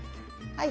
はい。